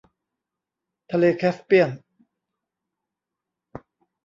ทะเลแคสเปียน